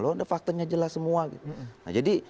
loh udah faktanya jelas semua